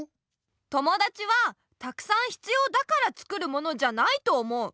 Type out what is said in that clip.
友だちはたくさんひつようだからつくるものじゃないと思う。